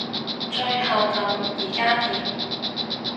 最後咁依家點？